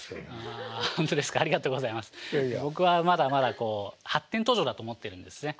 僕はまだまだこう発展途上だと思ってるんですね。